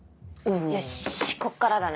よしこっからだね。